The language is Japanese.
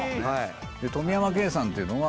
富山敬さんっていうのは。